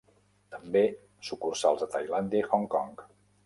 També sucursals a Tailàndia i Hong Kong.